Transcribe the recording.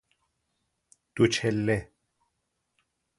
دوچله